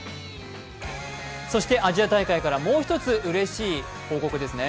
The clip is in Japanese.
アジア大会から、もう１つうれしい報告ですね。